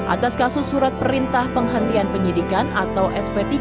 atas kasus surat perintah penghentian penyidikan atau sp tiga